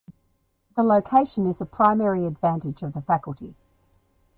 The location is a primary advantage of the faculty.